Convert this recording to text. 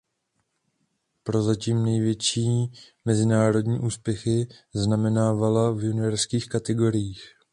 Prozatím největší mezinárodní úspěchy zaznamenala v juniorských kategoriích.